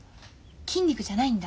筋肉じゃないんだ。